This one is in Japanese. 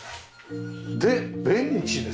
でベンチですよね。